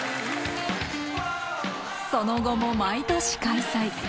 その後も毎年開催。